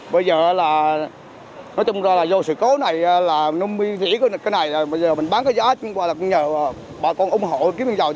bây giờ là nói chung là do sự cố này là nông minh dĩa của cái này bây giờ mình bán cái giá chúng bà là bằng nhờ bà con ủng hộ kiếm miền giàu